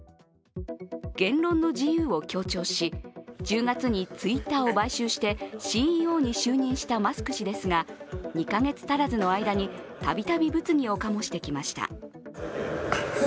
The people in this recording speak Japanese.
言論の自由を強調し、１０月にＴｗｉｔｔｅｒを買収してＣＥＯに就任したマスク氏ですが、２か月足らずの間にたびたび物議を醸してきました。